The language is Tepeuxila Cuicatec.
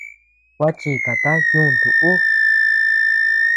Gua chikata yuntu ú.